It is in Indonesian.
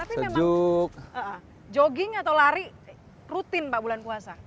tapi memang jogging atau lari rutin pak bulan puasa